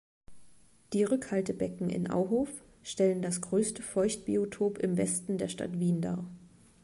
Die Rückhaltebecken in Auhof stellen das größte Feuchtbiotop im Westen der Stadt Wien dar.